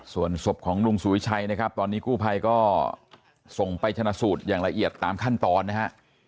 ส่วนศพของลุงสุวิชัยนะครับตอนนี้กู้ภัยก็ส่งไปชนะสูตรอย่างละเอียดตามขั้นตอนนะฮะ